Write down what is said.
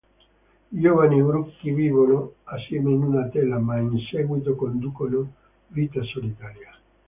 I giovani bruchi vivono assieme in una tela, ma in seguito conducono vita solitaria.